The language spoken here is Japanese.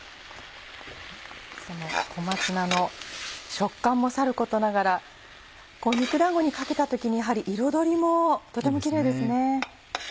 その小松菜の食感もさることながら肉だんごにかけた時にやはり彩りもとてもキレイですね。